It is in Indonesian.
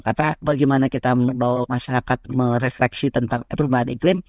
karena bagaimana kita membawa masyarakat merefleksi tentang perubahan iklim